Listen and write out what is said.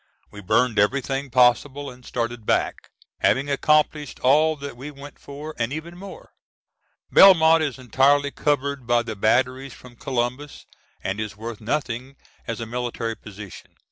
We burned everything possible and started back, having accomplished all that we went for and even more. Belmont is entirely covered by the batteries from Columbus and is worth nothing as a military position.